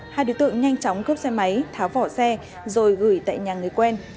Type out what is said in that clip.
hai đối tượng nhanh chóng cướp xe máy tháo vỏ xe rồi gửi tại nhà người quen